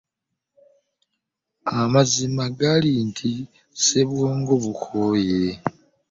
Amaziam gali nti ssobwongo bukooye